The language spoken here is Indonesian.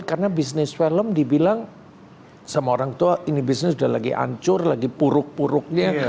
karena bisnis film dibilang sama orang tua ini bisnis udah lagi ancur lagi puruk puruknya